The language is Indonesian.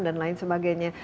dan lain sebagainya